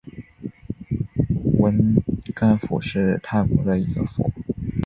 汶干府是泰国的一个府。